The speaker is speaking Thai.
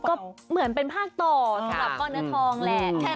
ก็เหมือนเป็นภาคต่อสำหรับก้อนเนื้อทองแหละ